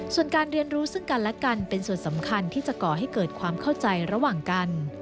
ส่วนการเรียนรู้ซึ่งกันและกันเป็นส่วนสำคัญที่จะก่อให้เกิดความเข้าใจระหว่างกัน